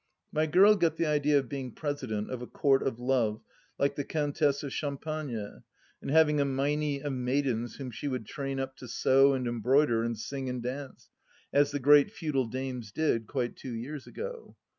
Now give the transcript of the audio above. My girl got the idea of being president of a Court of Love like the Countess of Champagne, and having a meinie of maidens whom she would train up to sew and embroider and siag and dance, as the great feudal dames did, quite two years ago.